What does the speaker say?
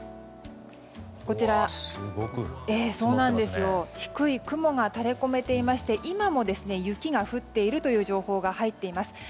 こちら低い雲が垂れ込めていまして今も雪が降っているという情報が入っています。